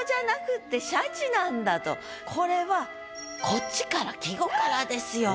これこれはこっちから季語からですよ。